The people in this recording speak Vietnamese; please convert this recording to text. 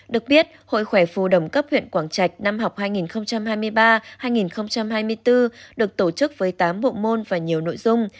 được biết hội khỏe phù đồng cấp huyện quảng trạch năm học hai nghìn hai mươi ba hai nghìn hai mươi bốn được tổ chức với tám bộ môn và nhiều nội dung